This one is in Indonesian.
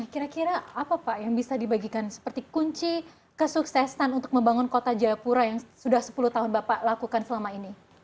kira kira apa pak yang bisa dibagikan seperti kunci kesuksesan untuk membangun kota jayapura yang sudah sepuluh tahun bapak lakukan selama ini